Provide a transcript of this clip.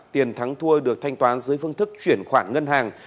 tiền thắng thua được thanh toán dưới phương thức chuyển khoản ngân hàng